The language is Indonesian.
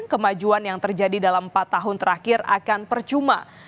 kemajuan yang terjadi dalam empat tahun terakhir akan percuma